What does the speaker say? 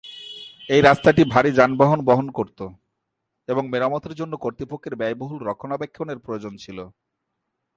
এই রাস্তাটি ভারী যানবাহন বহন করতো এবং মেরামতের জন্য কর্তৃপক্ষের ব্যয়বহুল রক্ষণাবেক্ষণের প্রয়োজন ছিল।